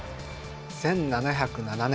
１７０７年